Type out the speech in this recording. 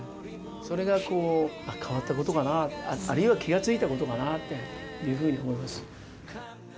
それがこう、変わったことかなって、あるいは気が付いたことかなっていうふうに思います。